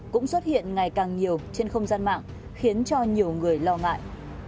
cũng xuất hiện ngày càng nhiều trên không gian mạng khiến cho nhiều người lo ngại